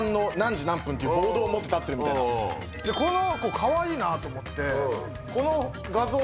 でこの子かわいいなと思ってこの。